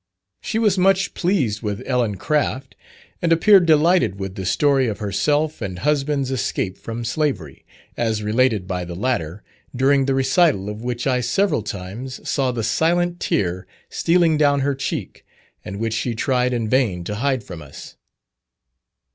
She was much pleased with Ellen Craft, and appeared delighted with the story of herself and husband's escape from slavery, as related by the latter during the recital of which I several times saw the silent tear stealing down her cheek, and which she tried in vain to hide from us.